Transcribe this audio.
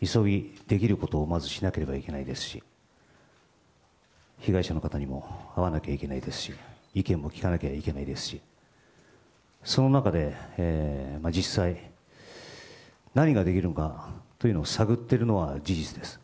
急ぎできることをまず、しなければいけないですし、被害者の方にも会わなきゃいけないですし、意見も聞かなきゃいけないですし、その中で、実際、何ができるのかというのを探ってるのは事実です。